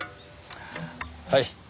はい。